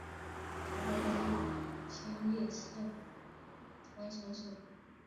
出生在日本千叶县馆山市。